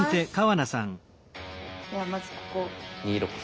ではまずここ。